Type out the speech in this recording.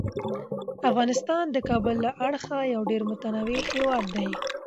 افغانستان د کابل له اړخه یو ډیر متنوع هیواد دی.